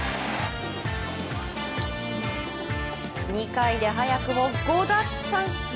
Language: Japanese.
２回で早くも５奪三振。